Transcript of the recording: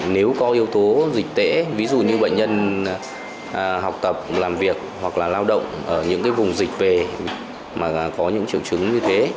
nếu có yếu tố dịch tễ ví dụ như bệnh nhân học tập làm việc hoặc là lao động ở những vùng dịch về mà có những triệu chứng như thế